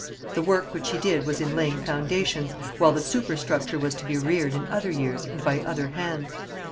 The work which he did was in laying foundations, while the superstructure was to be reared in other years and by other hands.